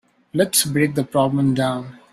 Let's break the problem down.